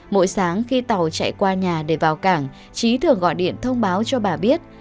mỗi sáng khi tàu chạy qua nhà để vào cảng trí thường gọi điện thông báo cho bà biết